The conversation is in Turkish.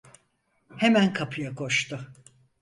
Hemen kapıya koştu.